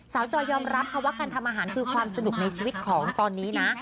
จอยยอมรับค่ะว่าการทำอาหารคือความสนุกในชีวิตของตอนนี้นะ